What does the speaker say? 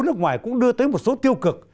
nước ngoài cũng đưa tới một số tiêu cực